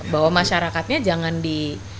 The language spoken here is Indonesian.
bahwa masyarakatnya jangan di